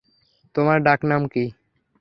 তোমার ডাকনাম কী?